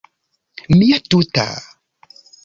Mia tuta...